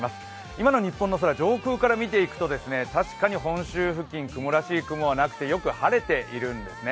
今の日本の空、上空から見ていくと確かに本州付近、雲らしい雲はなくてよく晴れているんですね。